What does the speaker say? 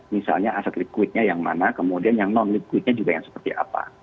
misalnya aset liquidnya yang mana kemudian yang non liquidnya juga yang seperti apa